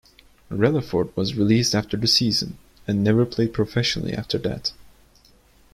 Relaford was released after the season, and never played professionally after that.